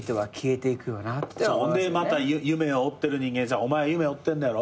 でまた夢を追ってる人間に「お前夢追ってんだろ？」